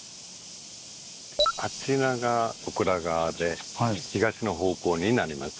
あちらが小倉側で東の方向になります。